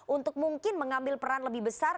untuk mungkin mengambil peran lebih besar